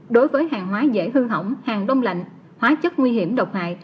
đối với hàng hóa dễ hư hỏng hàng đông lạnh hóa chất nguy hiểm độc hại